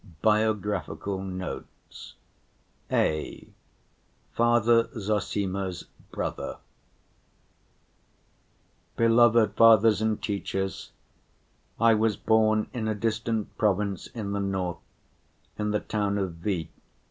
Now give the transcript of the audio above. BIOGRAPHICAL NOTES (a) Father Zossima's Brother Beloved fathers and teachers, I was born in a distant province in the north, in the town of V.